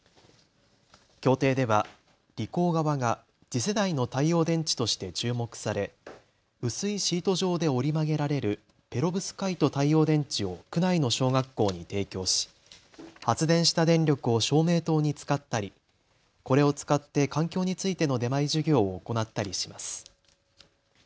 協定ではリコー側が次世代の太陽電池として注目され、薄いシート状で折り曲げられるペロブスカイト太陽電池を区内の小学校に提供し発電した電力を照明灯に使ったりこれを使って環境についての出前授業を行ったりします。